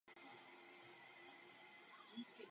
Právě to se netestuje.